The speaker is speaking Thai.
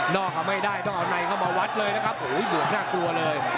ไม่ได้ต้องเอาในเข้ามาวัดเลยนะครับโอ้โหบวกน่ากลัวเลย